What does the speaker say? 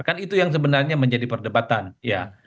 kan itu yang sebenarnya menjadi perdebatan ya